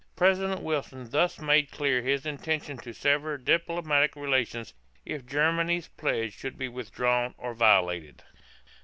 President Wilson thus made clear his intention to sever diplomatic relations if Germany's pledge should be withdrawn or violated.